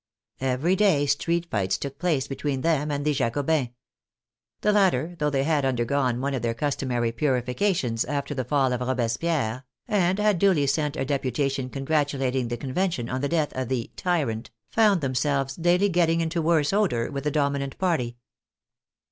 Every day street fights took place between them and the Jacobins. The latter, though they had undergone one of their cus tomary purifications after the fall of Robespierre, and had duly sent a deputation congratulating the Convention on the death of " the tyrant," found themselves daily get ting into worse odor with the dominant party.